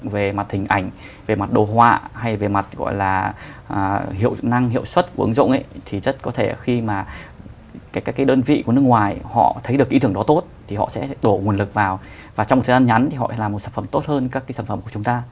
về mặt hình ảnh về mặt đồ họa hay về mặt gọi là hiệu năng hiệu suất của ứng dụng ấy thì rất có thể khi mà các cái đơn vị của nước ngoài họ thấy được ý tưởng đó tốt thì họ sẽ đổ nguồn lực vào và trong thời gian ngắn thì họ làm một sản phẩm tốt hơn các cái sản phẩm của chúng ta